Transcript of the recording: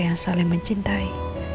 yang saling mencintai